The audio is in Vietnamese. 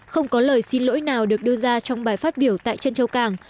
không có lời xin lỗi nào được đưa ra trong bài phát biểu tại trân châu càng